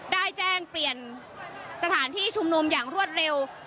ได้แจ้งเปลี่ยนสถานที่ชุมนุมอย่างรวดเร็ว